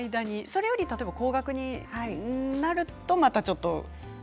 それよりも高額になるとまたちょっと。